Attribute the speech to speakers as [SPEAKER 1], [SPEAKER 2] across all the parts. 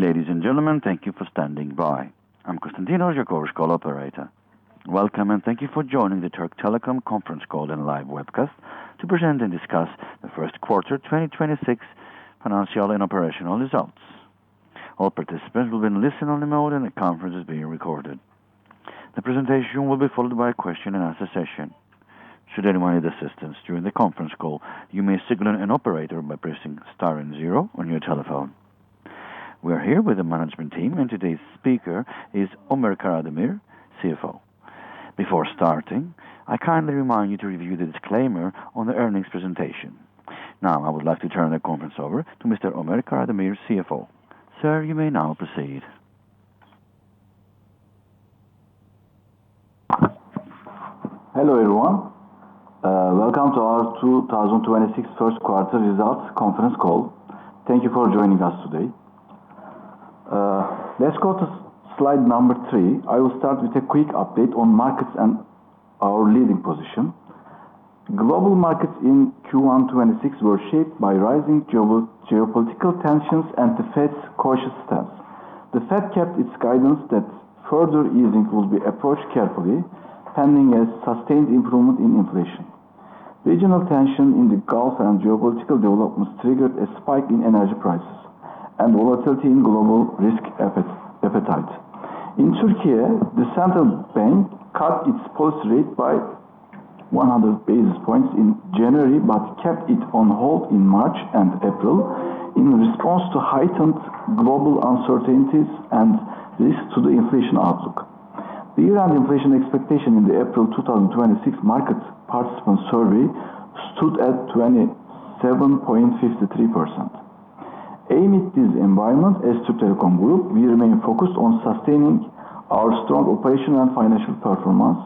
[SPEAKER 1] Ladies and gentlemen, thank you for standing by. I'm Constantinos, your call operator. Welcome, thank you for joining the Türk Telekom conference call and live webcast to present and discuss the first quarter 2026 financial and operational results. All participants will be in listen-only mode, the conference is being recorded. The presentation will be followed by a question-and-answer session. Should anyone need assistance during the conference call, you may signal an operator by pressing star zero on your telephone. We are here with the management team, today's speaker is Ömer Karademir, CFO. Before starting, I kindly remind you to review the disclaimer on the earnings presentation. I would like to turn the conference over to Mr. Ömer Karademir, CFO. Sir, you may now proceed.
[SPEAKER 2] Hello, everyone. Welcome to our 2026 first quarter results conference call. Thank you for joining us today. Let's go to slide number three. I will start with a quick update on markets and our leading position. Global markets in Q1 2026 were shaped by rising geopolitical tensions and the Fed's cautious stance. The Fed kept its guidance that further easing will be approached carefully, pending a sustained improvement in inflation. Regional tension in the Gulf and geopolitical developments triggered a spike in energy prices and volatility in global risk appetite. In Türkiye, the central bank cut its policy rate by 100 basis points in January, but kept it on hold in March and April in response to heightened global uncertainties and risks to the inflation outlook. The year-end inflation expectation in the April 2026 market participant survey stood at 27.53%. Amid this environment, as Türk Telekom Group, we remain focused on sustaining our strong operational and financial performance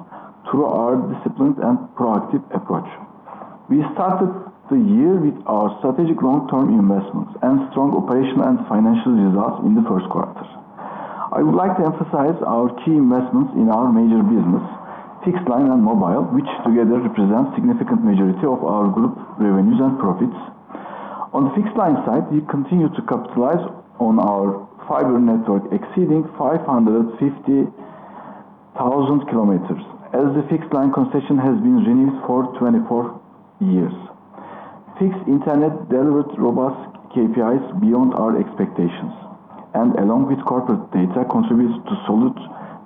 [SPEAKER 2] through our disciplined and proactive approach. We started the year with our strategic long-term investments and strong operational and financial results in the first quarter. I would like to emphasize our key investments in our major business, fixed line and mobile, which together represent significant majority of our group revenues and profits. On the fixed line side, we continue to capitalize on our fiber network exceeding 550,000 km as the fixed line concession has been renewed for 24 years. Fixed Internet delivered robust KPIs beyond our expectations, and along with corporate data, contributes to solid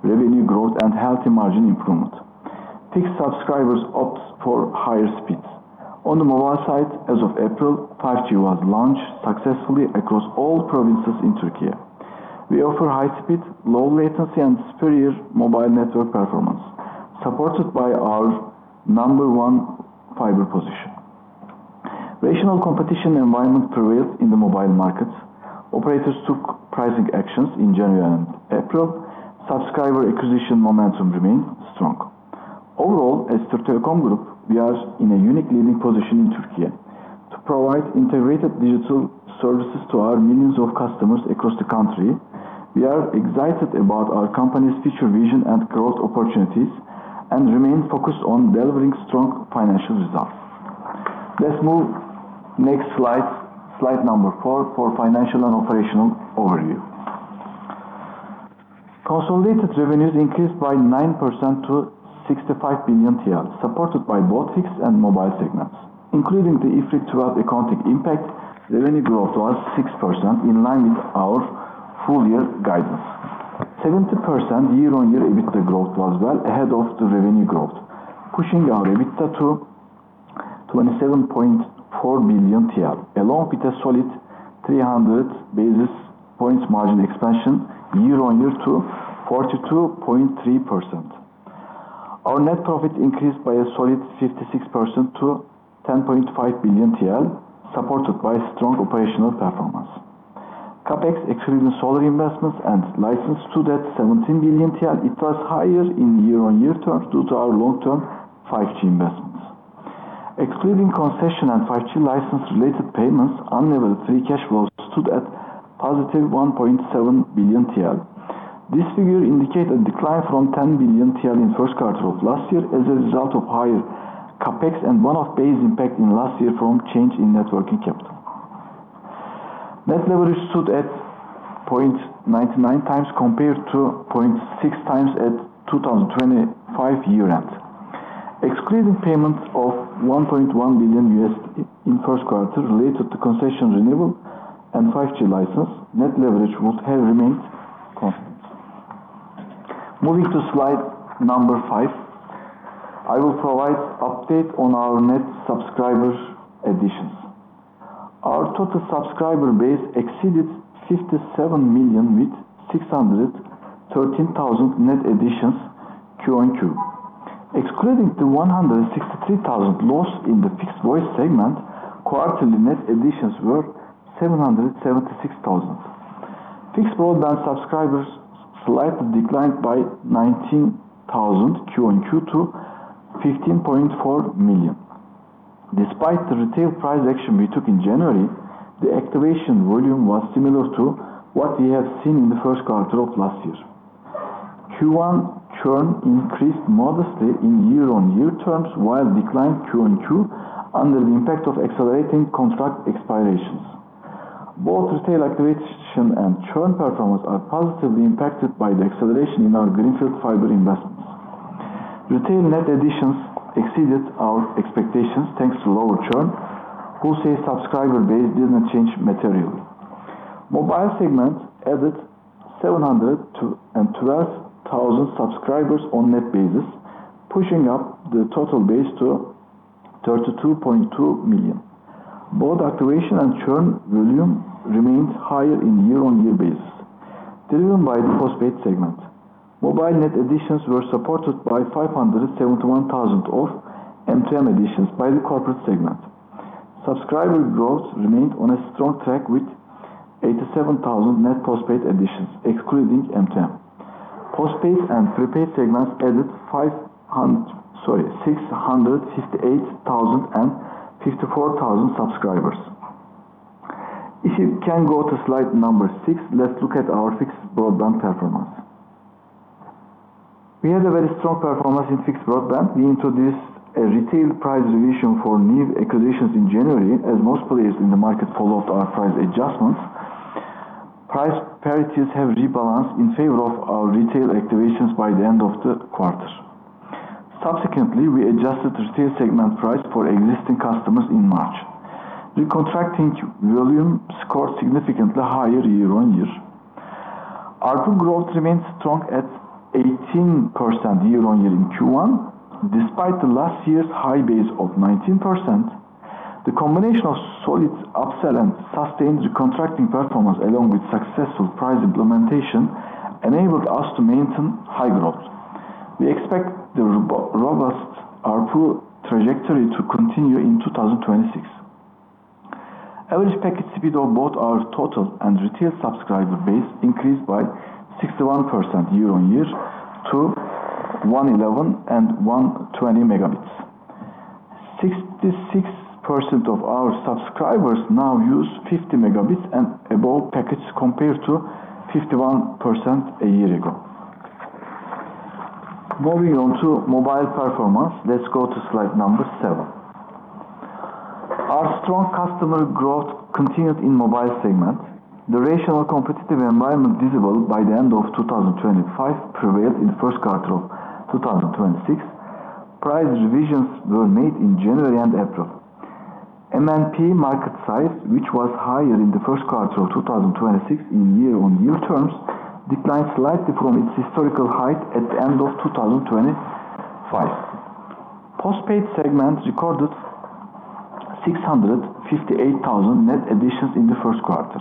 [SPEAKER 2] revenue growth and healthy margin improvement. Fixed subscribers opts for higher speeds. On the mobile side, as of April, 5G was launched successfully across all provinces in Türkiye. We offer high speed, low latency and superior mobile network performance, supported by our number one fiber position. Rational competition environment prevails in the mobile market. Operators took pricing actions in January and April. Subscriber acquisition momentum remains strong. Overall, as Türk Telekom Group, we are in a unique leading position in Türkiye to provide integrated digital services to our millions of customers across the country. We are excited about our company's future vision and growth opportunities and remain focused on delivering strong financial results. Let's move next slide number four for financial and operational overview. Consolidated revenues increased by 9% to 65 billion TL, supported by both fixed and mobile segments, including the IFRS 12 accounting impact, revenue growth was 6% in line with our full year guidance. 70% year-on-year EBITDA growth was well ahead of the revenue growth, pushing our EBITDA to 27.4 billion TL, along with a solid 300 basis points margin expansion year-on-year to 42.3%. Our net profit increased by a solid 56% to 10.5 billion TL, supported by strong operational performance. CapEx, excluding solar investments and license, stood at 17 billion TL. It was higher in year-on-year terms due to our long-term 5G investments. Excluding concession and 5G license related payments, unlevered free cash flow stood at positive 1.7 billion TL. This figure indicate a decline from 10 billion TL in first quarter of last year as a result of higher CapEx and one-off base impact in last year from change in net working capital. Net leverage stood at 0.99x compared to 0.6xs at 2025 year-end. Excluding payments of $1.1 billion in first quarter related to concession renewal and 5G license, net leverage would have remained constant. Moving to slide number five, I will provide update on our net subscriber additions. Our total subscriber base exceeded 57 million with 613,000 net additions QoQ. Excluding the 163,000 loss in the fixed voice segment, quarterly net additions were 776,000. Fixed broadband subscribers slightly declined by 19,000 QoQ to 15.4 million. Despite the retail price action we took in January, the activation volume was similar to what we have seen in the first quarter of last year. Q1 churn increased modestly in year-on-year terms while decline QoQ under the impact of accelerating contract expirations. Both retail activation and churn performance are positively impacted by the acceleration in our greenfield fiber investments. Retail net additions exceeded our expectations thanks to lower churn, wholesale subscriber base didn't change materially. Mobile segment added 712,000 subscribers on net basis, pushing up the total base to 32.2 million. Both activation and churn volume remained higher in year-on-year basis, driven by the postpaid segment. Mobile net additions were supported by 571,000 of M2M additions by the corporate segment. Subscriber growth remained on a strong track with 87,000 net postpaid additions, excluding M2M. Postpaid and prepaid segments added 500-, sorry, 658,000 and 54,000 subscribers. If you can go to slide number six, let's look at our fixed broadband performance. We had a very strong performance in fixed broadband. We introduced a retail price revision for new acquisitions in January as most players in the market followed our price adjustments. Price parities have rebalanced in favor of our retail activations by the end of the quarter. Subsequently, we adjusted retail segment price for existing customers in March. The contracting volume scored significantly higher year-on-year. ARPU growth remained strong at 18% year-on-year in Q1, despite the last year's high base of 19%. The combination of solid upsell and sustained recontracting performance along with successful price implementation enabled us to maintain high growth. We expect the robust ARPU trajectory to continue in 2026. Average packet speed of both our total and retail subscriber base increased by 61% year-on-year to 111 and 120 MB. 66% of our subscribers now use 50 MB and above packets compared to 51% a year ago. Moving on to mobile performance, let's go to slide number seven. Our strong customer growth continued in mobile segment. The rational competitive environment visible by the end of 2025 prevailed in the first quarter of 2026. Price revisions were made in January and April. MNP market size, which was higher in the first quarter of 2026 in year-on-year terms, declined slightly from its historical height at the end of 2025. Postpaid segments recorded 658,000 net additions in the first quarter.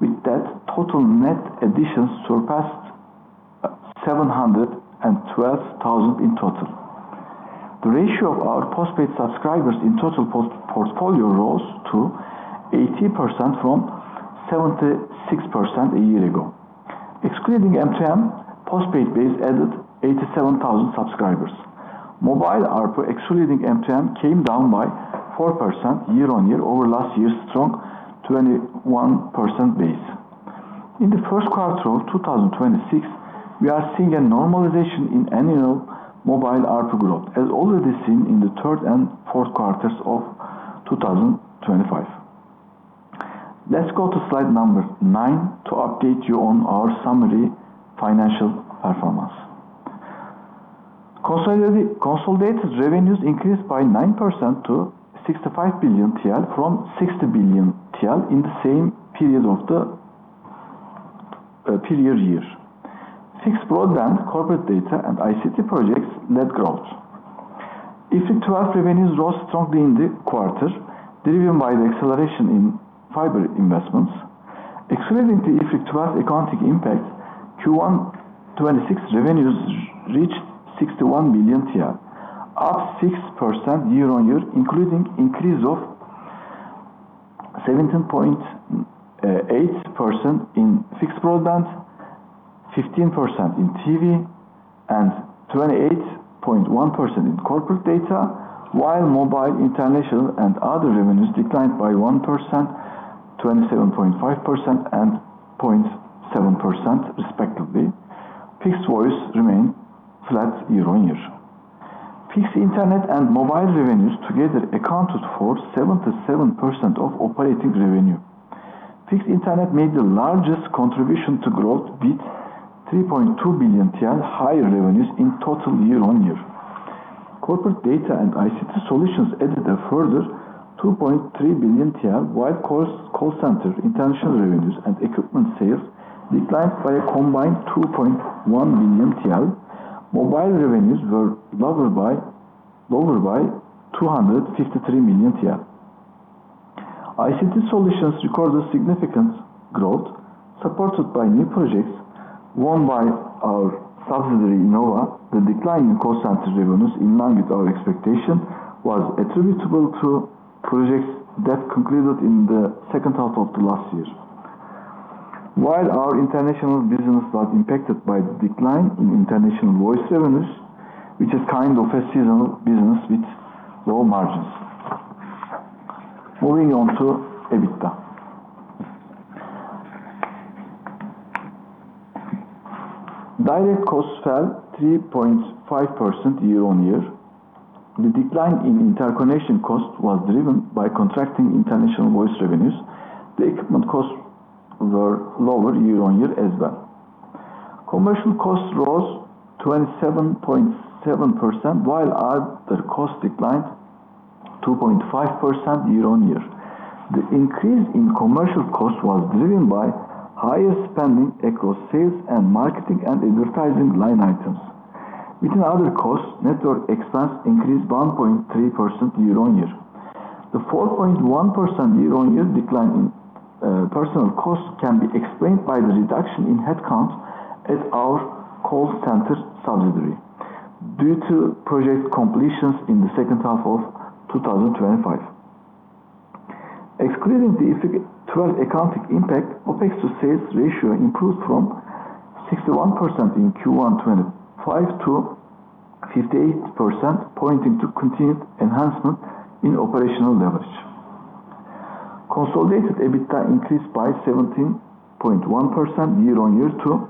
[SPEAKER 2] With that, total net additions surpassed 712,000 in total. The ratio of our postpaid subscribers in total portfolio rose to 80% from 76% a year ago. Excluding M2M, postpaid base added 87,000 subscribers. Mobile ARPU excluding M2M came down by 4% year-on-year over last year's strong 21% base. In the first quarter of 2026, we are seeing a normalization in annual mobile ARPU growth, as already seen in the third and fourth quarters of 2025. Let's go to slide number nine to update you on our summary financial performance. Consolidated revenues increased by 9% to 65 billion TL from 60 billion TL in the same period of the period year. Fixed broadband, corporate data, and ICT projects led growth. IFRS 12 revenues rose strongly in the quarter, driven by the acceleration in fiber investments. Excluding the IFRS 12 accounting impact, Q1 26 revenues reached 61 billion TL, up 6% year-over-year, including increase of 17.8% in fixed broadband, 15% in TV, and 28.1% in corporate data, while mobile, international, and other revenues declined by 1%, 27.5%, and 0.7% respectively. Fixed voice remained flat year-on-year. Fixed internet and mobile revenues together accounted for 77% of operating revenue. Fixed internet made the largest contribution to growth with 3.2 billion TL higher revenues in total year-over-year. Corporate data and ICT solutions added a further 2.3 billion TL, while call center international revenues and equipment sales declined by a combined 2.1 billion TL. Mobile revenues were lower by 253 million TL. ICT solutions recorded significant growth supported by new projects won by our subsidiary İnnova. The decline in call center revenues in line with our expectation was attributable to projects that concluded in the second half of the last year. While our international business was impacted by the decline in international voice revenues, which is kind of a seasonal business with low margins. Moving on to EBITDA. Direct costs fell 3.5% year-over-year. The decline in interconnection cost was driven by contracting international voice revenues. The equipment costs were lower year-over-year as well. Commercial costs rose 27.7%, while other costs declined 2.5% year-on-year. The increase in commercial costs was driven by higher spending across sales and marketing and advertising line items. Within other costs, network expense increased 1.3% year-on-year. The 4.1% year-on-year decline in personnel costs can be explained by the reduction in headcount at our call center subsidiary due to project completions in the second half of 2025. Excluding the IFRS 12 accounting impact, OpEx to sales ratio improved from 61% in Q1 2025 to 58%, pointing to continued enhancement in operational leverage. Consolidated EBITDA increased by 17.1% year-on-year to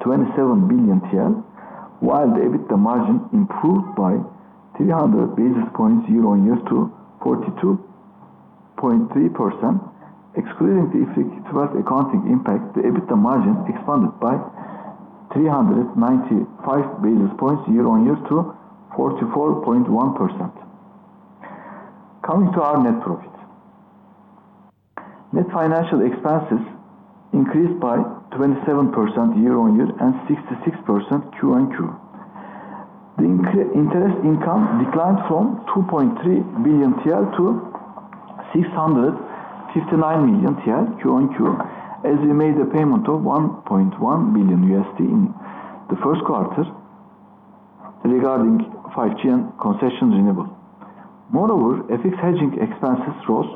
[SPEAKER 2] 27 billion TL, while the EBITDA margin improved by 300 basis points year-on-year to 42.3%. Excluding the effect to our accounting impact, the EBITDA margin expanded by 395 basis points year-on-year to 44.1%. Coming to our net profit. Net financial expenses increased by 27% year-on-year and 66% QoQ. Interest income declined from 2.3 billion TL to 659 million TL QoQ as we made a payment of $1.1 billion in the first quarter regarding 5G and concession renewal. Moreover, FX hedging expenses rose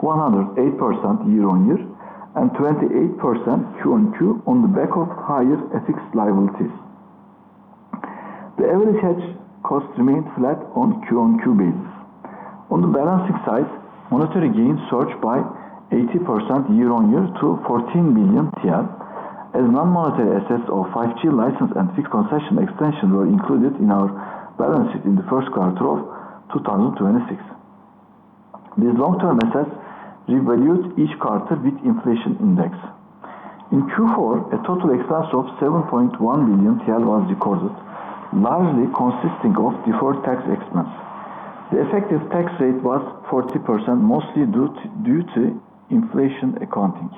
[SPEAKER 2] 108% year-on-year and 28% QoQ on the back of higher FX liabilities. The average hedge cost remained flat on QoQ basis. On the balancing side, monetary gains surged by 80% year-on-year to 14 billion TL, as non-monetary assets of 5G license and fixed concession extension were included in our balance sheet in the first quarter of 2026. These long-term assets revalued each quarter with inflation index. In Q4, a total expense of 7.1 billion TL was recorded, largely consisting of deferred tax expense. The effective tax rate was 40%, mostly due to inflation accounting.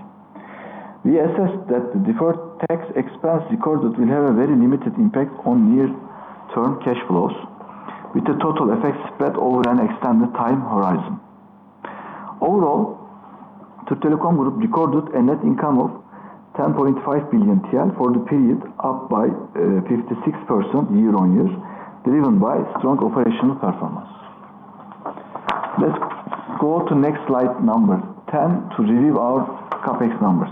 [SPEAKER 2] We assess that the deferred tax expense recorded will have a very limited impact on near-term cash flows, with the total effect spread over an extended time horizon. Overall, Türk Telekom Group recorded a net income of 10.5 billion TL for the period, up by 56% year-on-year, driven by strong operational performance. Let's go to next slide number 10 to review our CapEx numbers.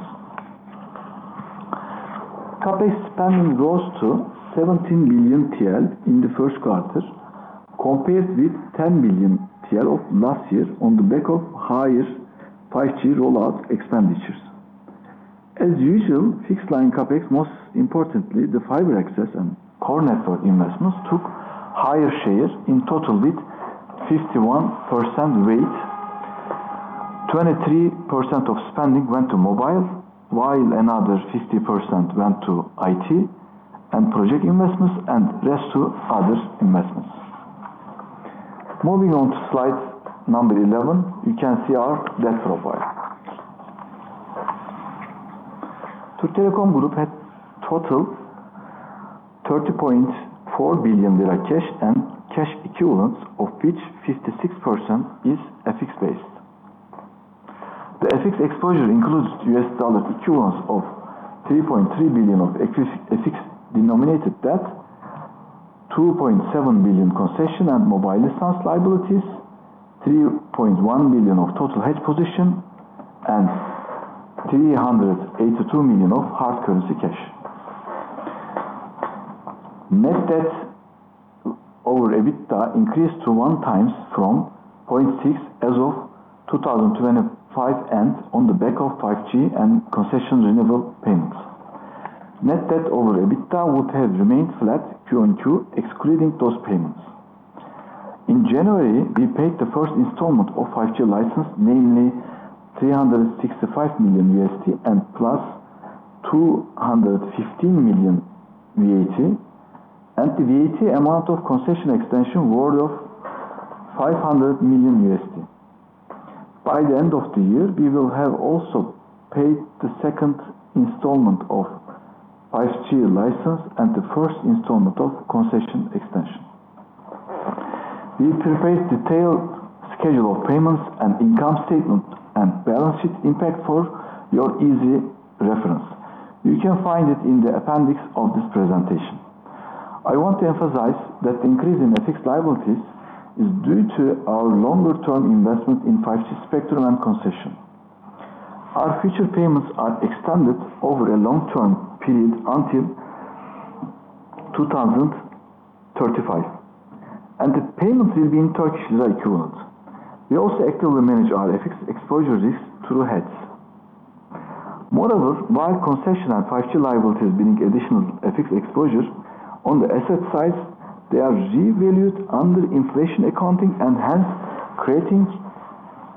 [SPEAKER 2] CapEx spending rose to 17 billion TL in the first quarter, compared with 10 billion TL of last year on the back of higher 5G rollout expenditures. As usual, fixed line CapEx, most importantly, the fiber access and core network investments took higher share in total with 51% weight. 23% of spending went to mobile, while another 50% went to IT and project investments, and rest to other investments. Moving on to slide number 11, you can see our debt profile. Türk Telekom Group had total 30.4 billion lira cash and cash equivalents, of which 56% is FX based. The FX exposure includes U.S. dollar equivalents of $3.3 billion of FX-denominated debt, $2.7 billion concession and mobile license liabilities, $3.1 billion of total hedge position, and $382 million of hard currency cash. Net debt over EBITDA increased to 1x from 0.6x as of 2025 end on the back of 5G and concession renewal payments. Net debt over EBITDA would have remained flat QoQ excluding those payments. In January, we paid the first installment of 5G license, namely $365 million and +$215 million VAT, and the VAT amount of concession extension worth of $500 million. By the end of the year, we will have also paid the second installment of 5G license and the first installment of concession extension. We prepared detailed schedule of payments and income statement and balance sheet impact for your easy reference. You can find it in the appendix of this presentation. I want to emphasize that increase in FX liabilities is due to our longer-term investment in 5G spectrum and concession. Our future payments are extended over a long-term period until 2035. The payments will be in Turkish lira equivalent. We also actively manage our FX exposure risk through hedges. While concession and 5G liabilities bring additional FX exposure, on the asset side, they are revalued under inflation accounting and hence creating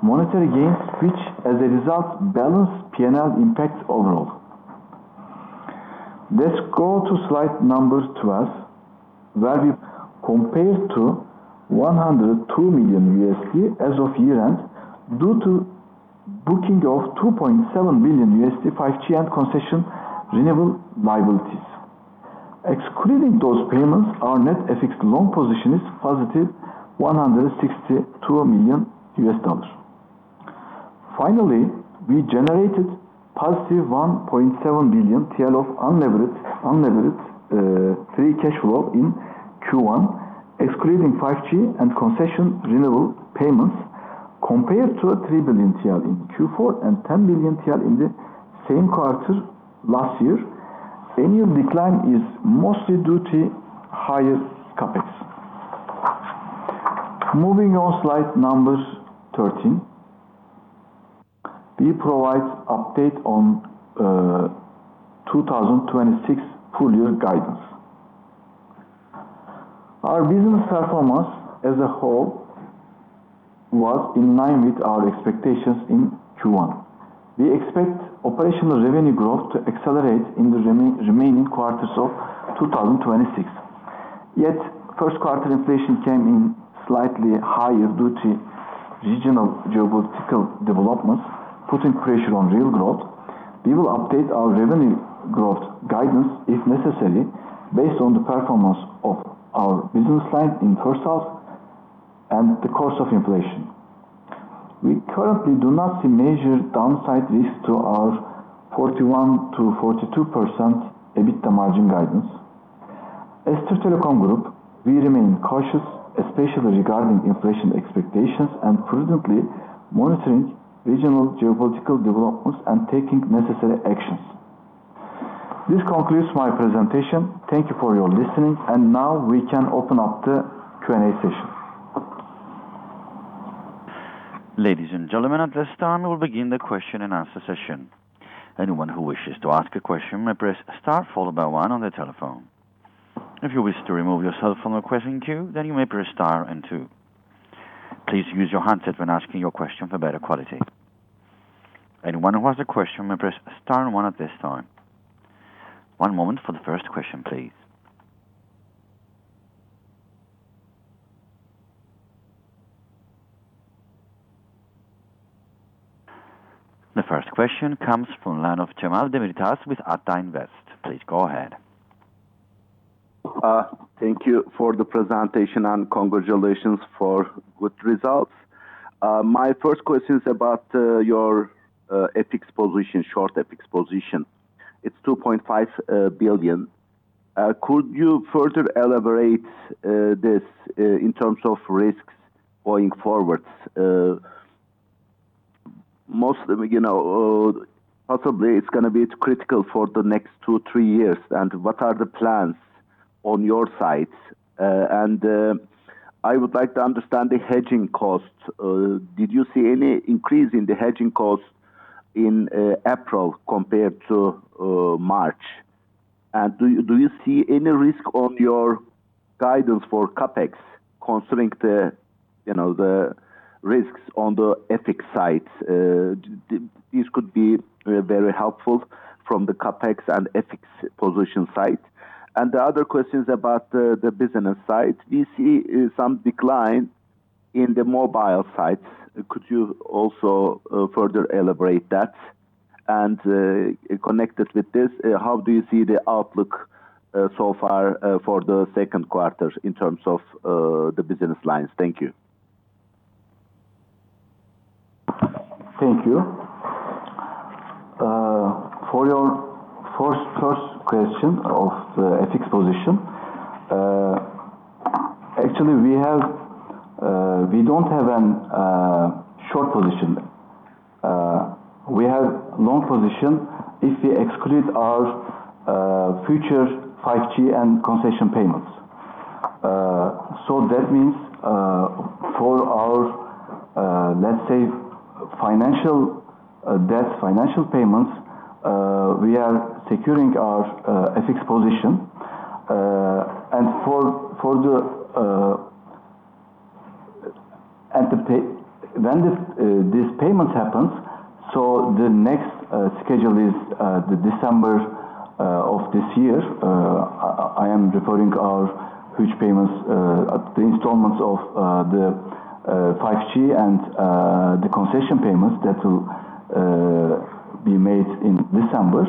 [SPEAKER 2] monetary gains, which as a result balance P&L impact overall. Let's go to slide number 12, where we compared to $102 million as of year-end due to booking of $2.7 billion 5G and concession renewal liabilities. Excluding those payments, our net FX loan position is +$162 million. We generated +1.7 billion TL of unlevered free cash flow in Q1, excluding 5G and concession renewal payments, compared to 3 billion TL in Q4 and 10 billion TL in the same quarter last year. Annual decline is mostly due to higher CapEx. Moving on slide number 13. We provide update on 2026 full year guidance. Our business performance as a whole was in line with our expectations in Q1. We expect operational revenue growth to accelerate in the remaining quarters of 2026. First quarter inflation came in slightly higher due to regional geopolitical developments, putting pressure on real growth. We will update our revenue growth guidance if necessary based on the performance of our business line in first half and the course of inflation. We currently do not see major downside risk to our 41%-42% EBITDA margin guidance. As Türk Telekom Group, we remain cautious, especially regarding inflation expectations and prudently monitoring regional geopolitical developments and taking necessary actions. This concludes my presentation. Thank you for your listening, Now we can open up the Q&A session.
[SPEAKER 1] Ladies and gentlemen, at this time we will begin the question and answer session. Anyone who wishes to ask a question may press star followed by one on their telephone. If you wish to remove yourself from the question queue, then you may press star and two. Please use your handset when asking your question for better quality. Anyone who has a question may press star and one at this time. One moment for the first question, please. The first question comes from the line of Cemal Demirtaş with Ata Invest. Please go ahead.
[SPEAKER 3] Thank you for the presentation, and congratulations for good results. My first question is about your FX position, short FX position. It's 2.5 billion. Could you further elaborate this in terms of risks going forward? Most of the, you know, possibly it's gonna be critical for the next two to three years. What are the plans on your side? I would like to understand the hedging costs. Did you see any increase in the hedging costs in April compared to March? Do you see any risk on your guidance for CapEx considering the, you know, the risks on the FX side? This could be very helpful from the CapEx and FX position side. The other question is about the business side. We see some decline in the mobile side. Could you also further elaborate that? Connected with this, how do you see the outlook so far for the second quarter in terms of the business lines? Thank you.
[SPEAKER 2] Thank you. For your first question of the FX position, actually we have, we don't have a short position. We have long position if we exclude our future 5G and concession payments. So that means, for our, let's say financial debt, financial payments, we are securing our FX position. When this payment happens, the next schedule is the December of this year. I am referring our huge payments, the installments of the 5G and the concession payments that will be made in December.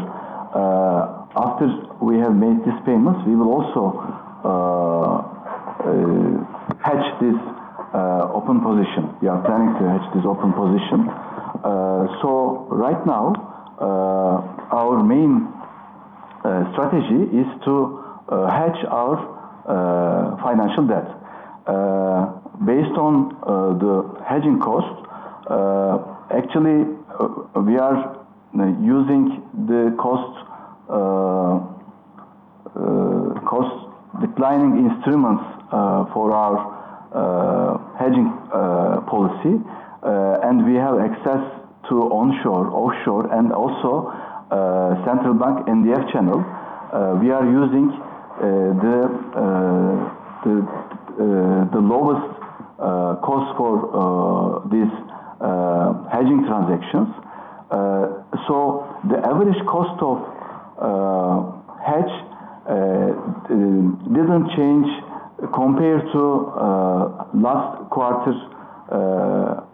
[SPEAKER 2] After we have made these payments, we will also hedge this open position. We are planning to hedge this open position. Right now, our main strategy is to hedge our financial debt. Based on the hedging cost, actually, we are using the cost declining instruments for our hedging policy. We have access to onshore, offshore, and also, central bank NDF channel. We are using the lowest cost for these hedging transactions. The average cost of hedge didn't change compared to last quarter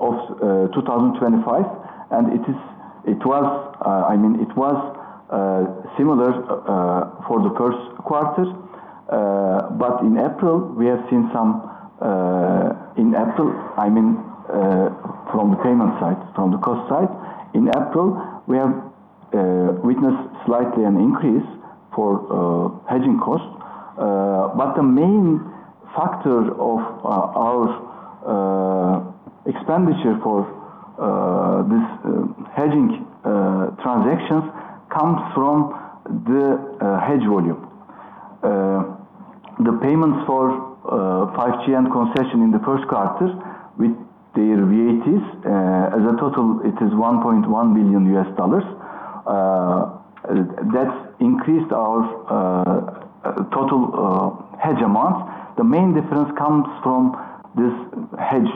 [SPEAKER 2] of 2025. It was, I mean, it was similar for the first quarter. In April, we have seen some, in April, I mean, from the payment side, from the cost side. In April, we have witnessed slightly an increase for hedging costs. The main factor of our expenditure for this hedging transactions comes from the hedge volume. The payments for 5G and concession in the first quarter with their VATs, as a total, it is $1.1 billion. That's increased our total hedge amount. The main difference comes from this hedge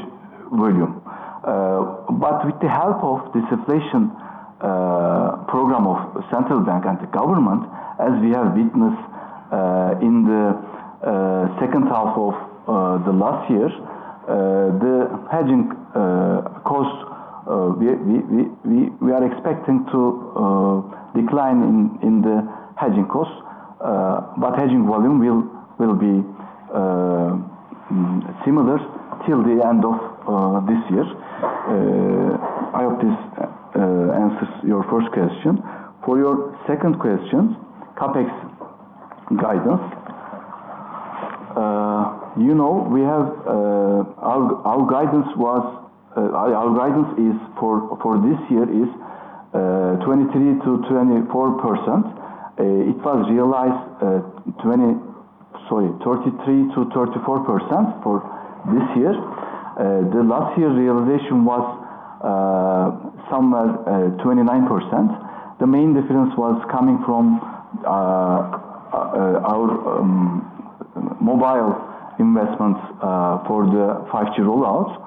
[SPEAKER 2] volume. With the help of the disinflation program of central bank and the government, as we have witnessed in the second half of the last year, the hedging cost, we are expecting to decline in the hedging cost, but hedging volume will be similar till the end of this year. I hope this answers your first question. For your second question, CapEx guidance. You know, we have our guidance was, our guidance is for this year is 23%-24%. It was realized 33%-34% for this year. The last year realization was somewhere 29%. The main difference was coming from our mobile investments for the 5G rollout.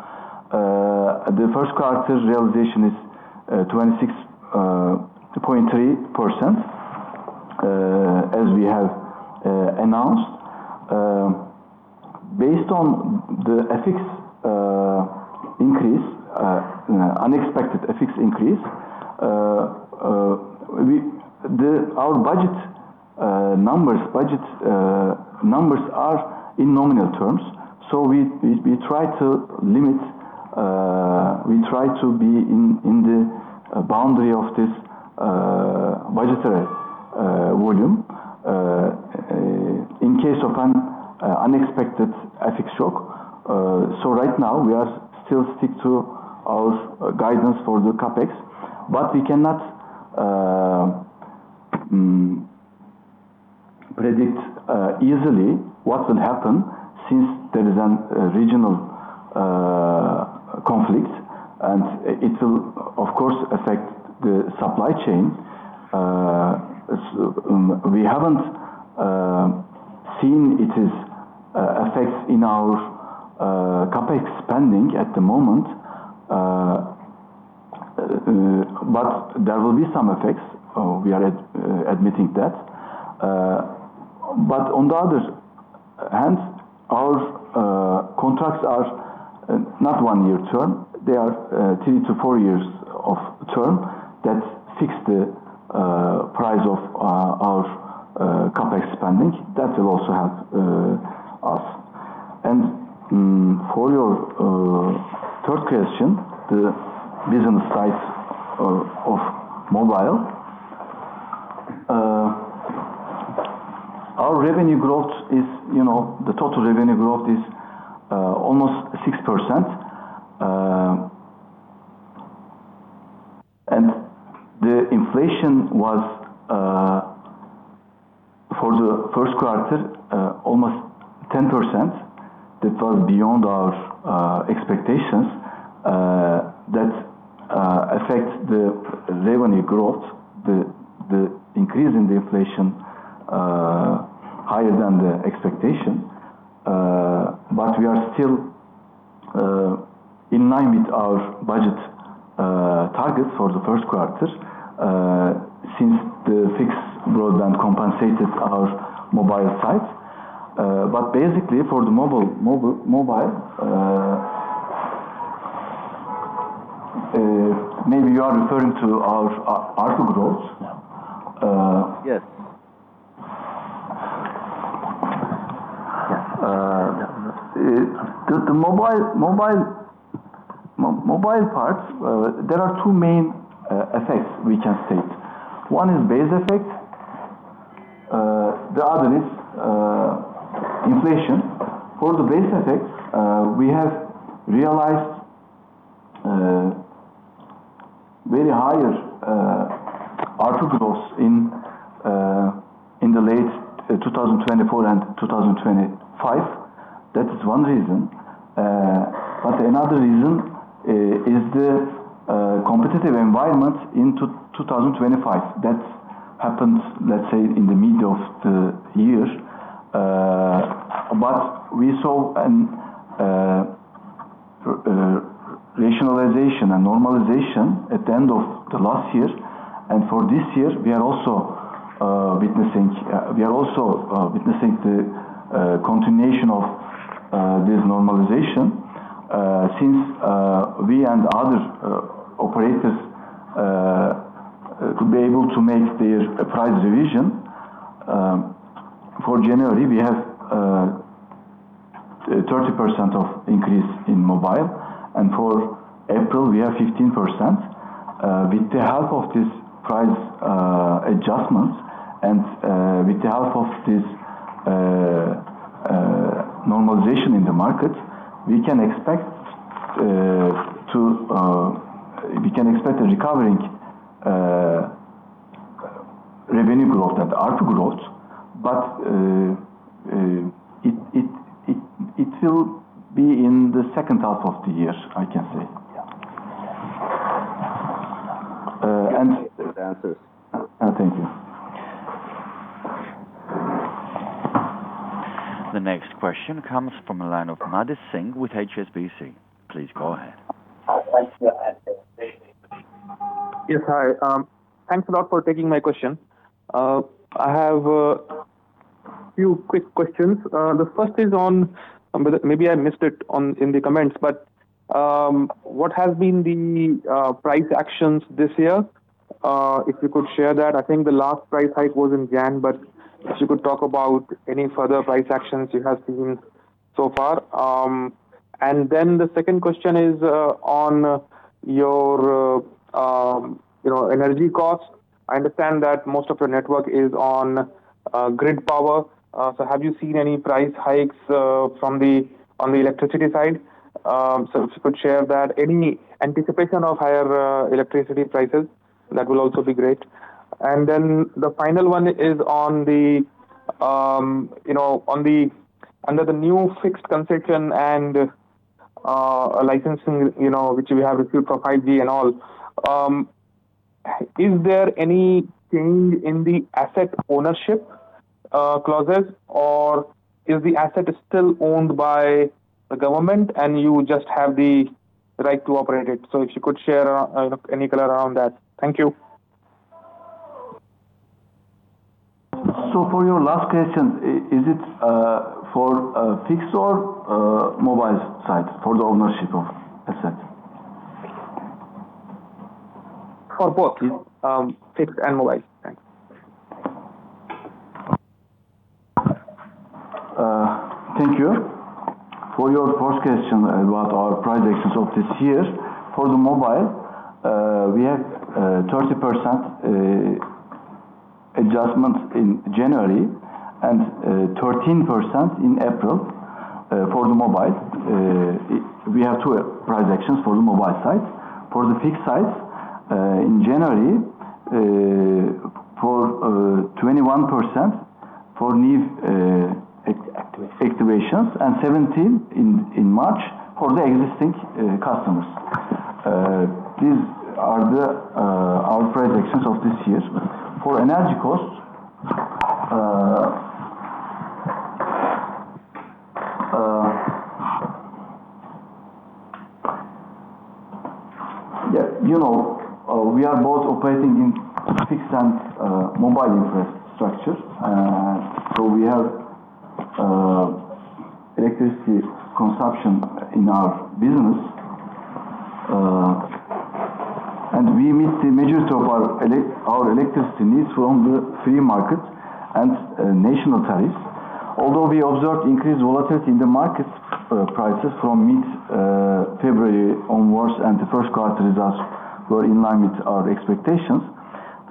[SPEAKER 2] The first quarter realization is 26.3% as we have announced. Based on the FX increase, unexpected FX increase, our budget numbers are in nominal terms. We try to limit, we try to be in the boundary of this budgetary volume in case of an unexpected FX shock. Right now, we are still stick to our guidance for the CapEx, but we cannot predict easily what will happen since there is a regional conflict, and it will, of course, affect the supply chain. We haven't seen its effects in our CapEx spending at the moment. There will be some effects. We are admitting that. On the other hand, our contracts are not one year term. They are three to four years of term. That fixes the price of our CapEx spending. That will also help us. For your third question, the business side of mobile. Our revenue growth is, you know, the total revenue growth is almost 6%. The inflation was for the first quarter almost 10%. That was beyond our expectations. That affects the revenue growth, the increase in the inflation, higher than the expectation. We are still in line with our budget targets for the first quarter since the fixed broadband compensated our mobile side. Basically for the mobile, maybe you are referring to our ARPU growth.
[SPEAKER 3] Yeah. Yes.
[SPEAKER 2] The mobile parts, there are two main effects we can state. One is base effect. The other is inflation. For the base effects, we have realized very higher ARPU growth in the late 2024 and 2025. That is one reason. Another reason is the competitive environment in 2025. That happens, let's say, in the middle of the year. We saw a rationalization and normalization at the end of the last year. For this year, we are also witnessing the continuation of this normalization. Since we and other operators could be able to make their price revision. For January, we have 30% of increase in mobile, and for April we have 15%. With the help of this price adjustments and with the help of this normalization in the market, we can expect a recovering revenue growth and ARPU growth. It will be in the second half of the year, I can say.
[SPEAKER 3] Yeah.
[SPEAKER 2] Uh, and-
[SPEAKER 3] Thanks for the answers.
[SPEAKER 2] Thank you.
[SPEAKER 1] The next question comes from the line of Madhvendra Singh with HSBC. Please go ahead. Thank you.
[SPEAKER 4] Yes. Hi. Thanks a lot for taking my question. I have a few quick questions. The first is, maybe I missed it in the comments, but what has been the price actions this year? If you could share that. I think the last price hike was in January, but if you could talk about any further price actions you have seen so far. The second question is on your, you know, energy costs. I understand that most of your network is on grid power. Have you seen any price hikes on the electricity side? If you could share that. Any anticipation of higher electricity prices, that will also be great. Then the final one is on the, you know, under the new fixed concession and licensing, you know, which we have received for 5G and all, is there any change in the asset ownership clauses or is the asset still owned by the government and you just have the right to operate it? If you could share any color around that. Thank you.
[SPEAKER 2] For your last question, is it for fixed or mobile site for the ownership of asset?
[SPEAKER 4] For both, fixed and mobile. Thanks.
[SPEAKER 2] Thank you. For your first question about our price actions of this year. For the mobile, we have 30% adjustment in January and 13% in April for the mobile. We have two price actions for the mobile site. For the fixed site, in January, for 21% for new activations and 17% in March for the existing customers. These are the our price actions of this year. For energy costs, Yeah, you know, we are both operating in fixed and mobile infrastructure. We have electricity consumption in our business, and we meet the majority of our electricity needs from the free market and national tariffs. Although we observed increased volatility in the market prices from mid-February onwards, the first quarter results were in line with our expectations.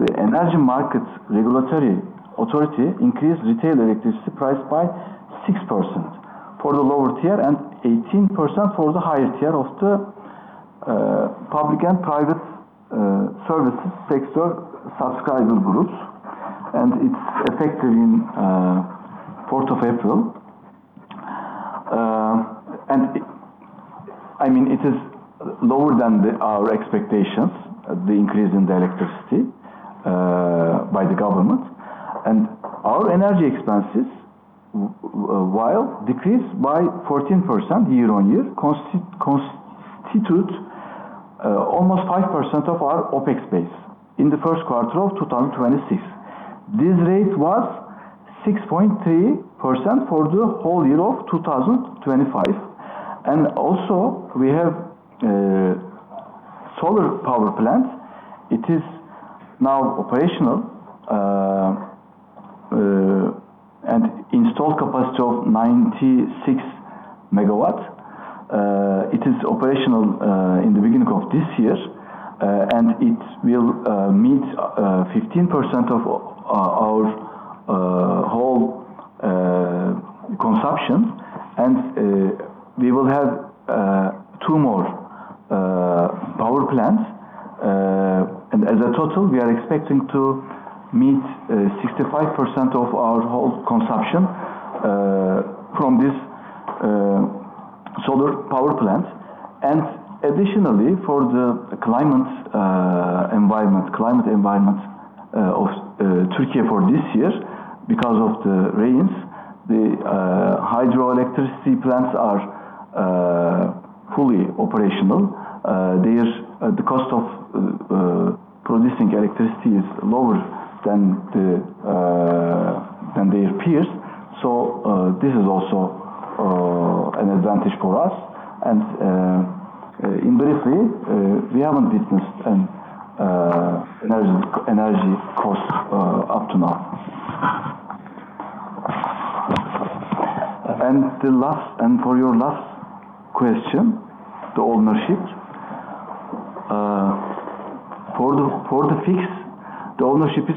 [SPEAKER 2] The Energy Market Regulatory Authority increased retail electricity price by 6% for the lower tier and 18% for the highest tier of the public and private services sector subscriber groups. It is effective in fourth of April. I mean, it is lower than our expectations, the increase in the electricity by the government. Our energy expenses, while decreased by 14% year-on-year, constitute almost 5% of our OpEx base in the first quarter of 2026. This rate was 6.3% for the whole year of 2025. Also we have solar power plant. It is now operational. Installed capacity of 96 MW. It is operational in the beginning of this year. It will meet 15% of our whole consumption. We will have two more power plants. As a total, we are expecting to meet 65% of our whole consumption from this solar power plant. Additionally, for the climate environment of Türkiye for this year, because of the rains, the hydroelectricity plants are fully operational. Their the cost of producing electricity is lower than the than their peers. This is also an advantage for us. In briefly, we haven't witnessed an energy cost up to now. For your last question, the ownership. For the fixed, the ownership is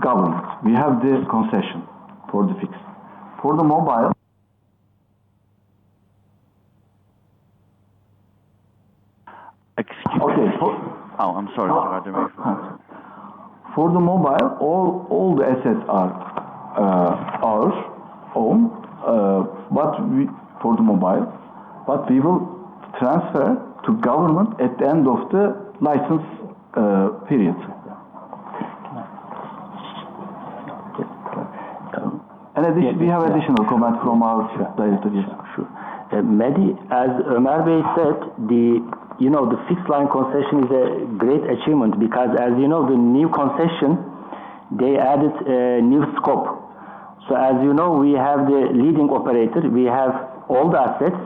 [SPEAKER 2] government. We have the concession for the fixed. For the mobile.
[SPEAKER 1] Excuse me.
[SPEAKER 2] Okay.
[SPEAKER 1] Oh, I'm sorry to interrupt.
[SPEAKER 2] For the mobile, all the assets are our own. For the mobile, we will transfer to government at the end of the license period. We have additional comment from our director.
[SPEAKER 5] Sure. Madh, as Ömer said, you know, the fixed line concession is a great achievement because as you know, the new concession, they added a new scope. As you know, we have the leading operator, we have all the assets,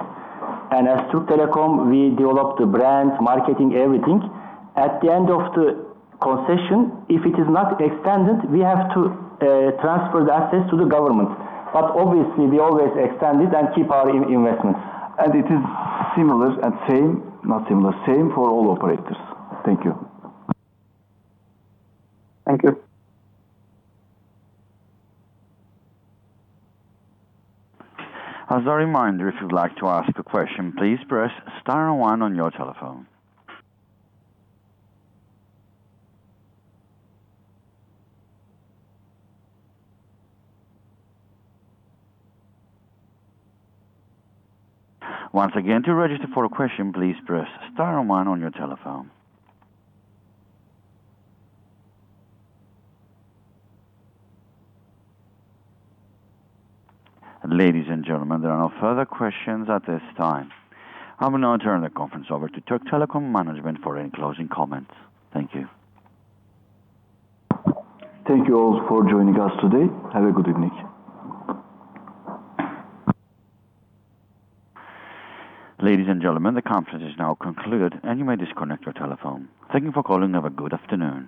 [SPEAKER 5] and as Türk Telekom, we develop the brands, marketing, everything. At the end of the concession, if it is not extended, we have to transfer the assets to the government. Obviously, we always extend it and keep our investments.
[SPEAKER 2] It is similar and same, not similar, same for all operators. Thank you.
[SPEAKER 4] Thank you.
[SPEAKER 1] Ladies and gentlemen, there are no further questions at this time. I will now turn the conference over to Türk Telekom management for any closing comments. Thank you.
[SPEAKER 2] Thank you all for joining us today. Have a good evening.
[SPEAKER 1] Ladies and gentlemen, the conference is now concluded, and you may disconnect your telephone. Thank you for calling. Have a good afternoon.